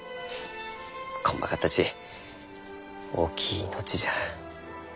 こんまかったち大きい命じゃ。